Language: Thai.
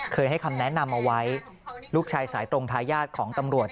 ให้คำแนะนำเอาไว้ลูกชายสายตรงทายาทของตำรวจ